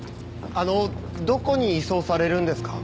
あのうどこに移送されるんですか？